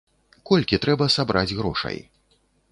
Колькі трэба сабраць грошай?